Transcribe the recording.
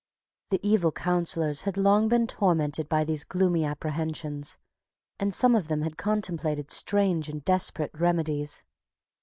The evil counsellors had long been tormented by these gloomy apprehensions, and some of them had contemplated strange and desperate remedies.